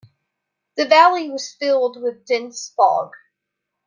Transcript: The valley was filled with dense fog.